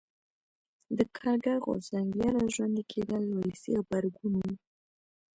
د کارګر غورځنګ بیا را ژوندي کېدل ولسي غبرګون و.